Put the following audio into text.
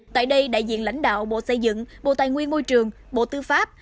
tại đây đại diện lãnh đạo bộ xây dựng bộ tài nguyên môi trường bộ tư pháp